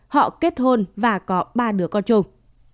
họ kết hôn và có ba đứa con chồng